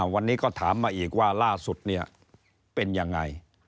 วันนี้ก็ถามมาอีกว่าล่าสุดเนี่ยเป็นยังไง